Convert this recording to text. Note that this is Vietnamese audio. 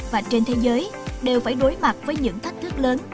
và trên thế giới đều phải đối mặt với những thách thức lớn